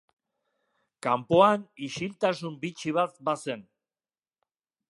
Kanpoan ixiltasun bitxi bat bazen.